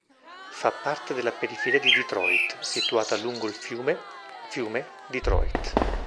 Fa parte della periferia di Detroit, situata lungo il fiume fiume Detroit.